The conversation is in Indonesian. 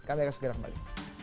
kami akan segera kembali